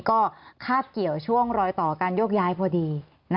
ก็คาบเกี่ยวช่วงรอยต่อการโยกย้ายพอดี